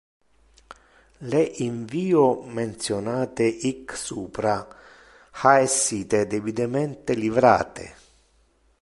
Le invio mentionate hic supra ha essite debitemente livrate.